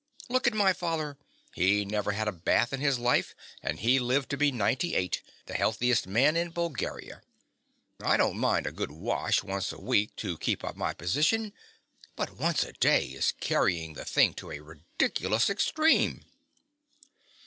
Look at my father: he never had a bath in his life; and he lived to be ninety eight, the healthiest man in Bulgaria. I don't mind a good wash once a week to keep up my position; but once a day is carrying the thing to a ridiculous extreme.